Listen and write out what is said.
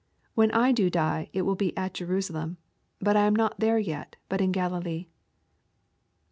When T do die. it will be at Jerusalem. But I am not there yet^ but io Galilee.